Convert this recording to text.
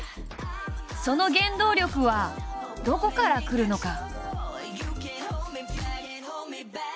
その原動力はどこからくるのか。